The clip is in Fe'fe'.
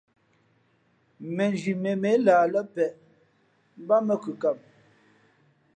Mēnzhi mēmmᾱ e lah lά peʼ, mbát mᾱ kʉkam.